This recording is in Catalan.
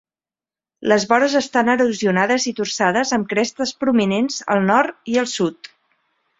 Les vores estan erosionades i torçades amb crestes prominents al nord i al sud.